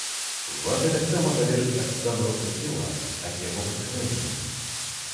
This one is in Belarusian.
Вага таксама залежыць ад стану руху цела ад яго паскарэння.